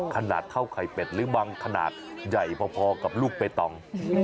ขนาดเท่าไข่เป็ดหรือบางขนาดใหญ่พอกับลูกใบตอง